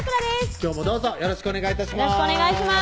今日もどうぞよろしくお願い致します